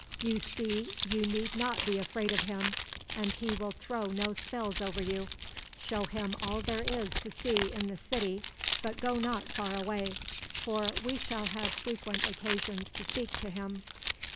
You see you need not be afraid of him, and he will throw no spells over you. Show him all there is to see in the city; but go not far away, for we shall have frequent occasions to speak to him.